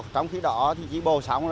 trong khí đỏ thì trí bộ xóm